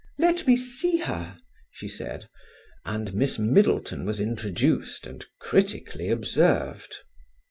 "Let me see her," she said; and Miss Middleton was introduced and critically observed.